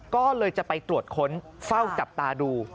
ก็เลยจะไปตรวจค้นเฝ้าจับตาดู